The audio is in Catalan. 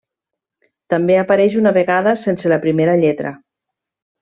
També apareix una vegada sense la primera lletra.